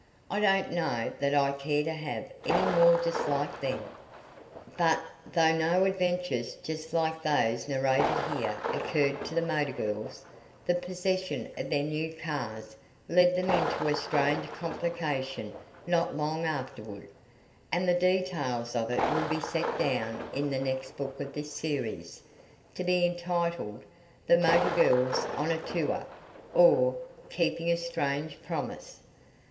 "I don't know that I care to have any more just like them." But, though no adventures just like those narrated here occurred to the motor girls, the possession of their new cars led them into a strange complication not long afterward, and the details of it will be set down in the next book of this series, to be entitled: "The Motor Girls on a Tour; or, Keeping a Strange Promise."